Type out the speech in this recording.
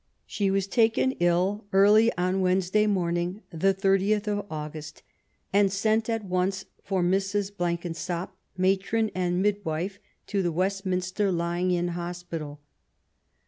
She was taken ill early on Wednesday morning, the 80th of August, and sent at once for Mrs. Blenkinsop^ matron and midwife to the Westminster Lying in Hos pital.